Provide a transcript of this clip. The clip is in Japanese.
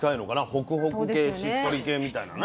ホクホク系しっとり系みたいなね。